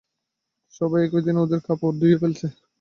সবাই একই দিনে ওদের কাপড় ধুয়ে ফেলছে।